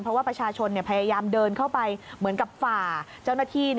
เพราะว่าประชาชนพยายามเดินเข้าไปเหมือนกับฝ่าเจ้าหน้าที่